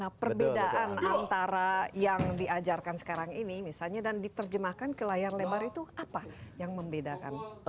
nah perbedaan antara yang diajarkan sekarang ini misalnya dan diterjemahkan ke layar lebar itu apa yang membedakan